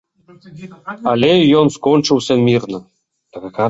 Але і ён скончыўся мірна.